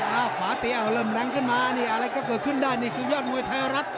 อ้าวขวาเตะเริ่มแรงขึ้นมาอะไรก็เกิดขึ้นได้นี่คือยอดมวยไทยรัฐ